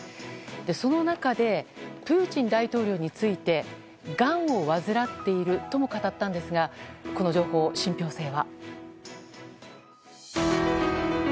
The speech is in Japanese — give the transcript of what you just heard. その中でプーチン大統領についてがんを患っているとも語ったんですがこの情報、信憑性は。